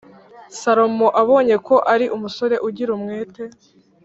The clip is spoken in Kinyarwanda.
Salomo abonye ko ari umusore ugira umwete